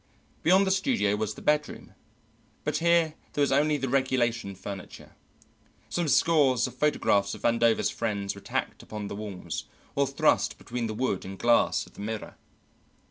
Beyond the studio was the bedroom, but here there was only the regulation furniture. Some scores of photographs of Vandover's friends were tacked upon the walls, or thrust between the wood and glass of the mirror.